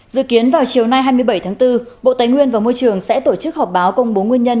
dự kiến vào chiều nay hai mươi bảy tháng bốn bộ tài nguyên và môi trường sẽ tổ chức họp báo công bố nguyên nhân